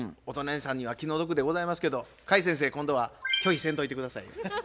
お隣さんには気の毒でございますけど甲斐先生今度は拒否せんといて下さい。